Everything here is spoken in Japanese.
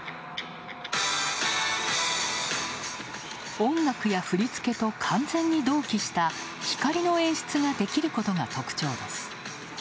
音楽や振り付けと完全に同期した光の演出ができることが特徴です。